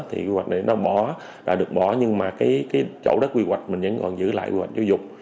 thì quy hoạch đấy nó bỏ đã được bỏ nhưng mà cái chỗ đất quy hoạch mình vẫn còn giữ lại quy hoạch giáo dục